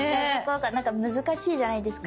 なんか難しいじゃないですか。